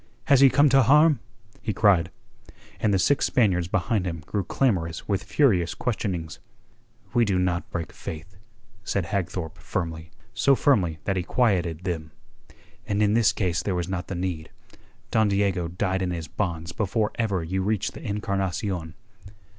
Has he come to harm?" he cried and the six Spaniards behind him grew clamorous with furious questionings. "We do not break faith," said Hagthorpe firmly, so firmly that he quieted them. "And in this case there was not the need. Don Diego died in his bonds before ever you reached the Encarnacion."